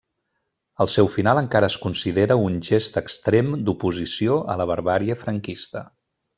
El seu final encara es considera un gest extrem d'oposició a la barbàrie franquista.